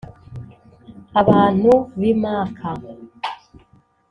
abantu b’i maka,